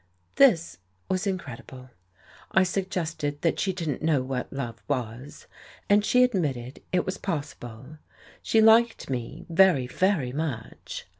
This was incredible. I suggested that she didn't know what love was, and she admitted it was possible: she liked me very, very much.